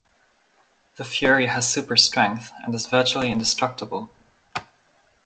The Fury has super-strength and is virtually indestructible.